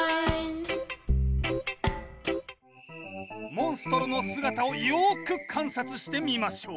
モンストロの姿をよく観察してみましょう。